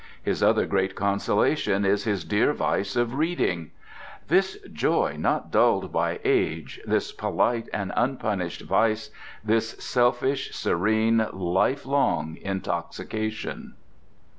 His other great consolation is his dear vice of reading—"This joy not dulled by Age, this polite and unpunished vice, this selfish, serene, life long intoxication."